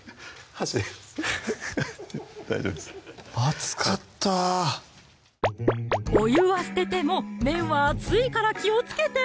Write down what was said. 箸で大丈夫です熱かったお湯は捨てても麺は熱いから気をつけて！